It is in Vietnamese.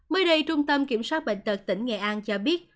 mới đây trung tâm kiểm soát bệnh tật tỉnh nghệ an cho biết